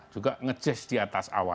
juga nge chess di atas awan